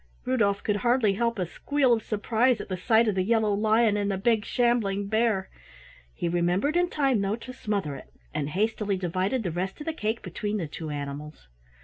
Rudolf could hardly help a squeal of surprise at the sight of the yellow lion and the big shambling bear. He remembered in time, though, to smother it, and hastily divided the rest of the cake between the two animals.